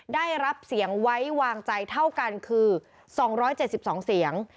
ได้รับเสียงไว้วางใจเท่ากันคือ๒๗๒เสียง